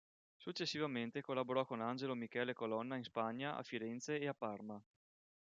Successivamente collaborò con Angelo Michele Colonna in Spagna a Firenze e a Parma.